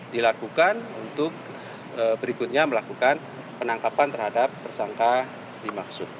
dilakukan untuk berikutnya melakukan penangkapan terhadap tersangka dimaksud